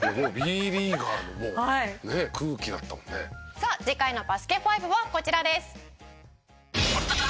さあ次回の『バスケ☆ＦＩＶＥ』はこちらです。